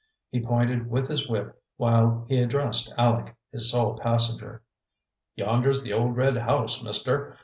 He pointed with his whip while he addressed Aleck, his sole passenger. "Yonder's the old red house, Mister.